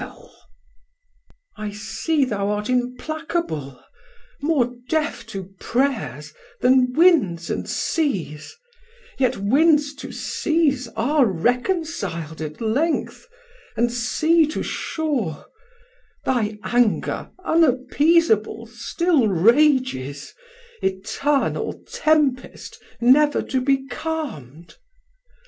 Dal: I see thou art implacable, more deaf 960 To prayers, then winds and seas, yet winds to seas Are reconcil'd at length, and Sea to Shore: Thy anger, unappeasable, still rages, Eternal tempest never to be calm'd.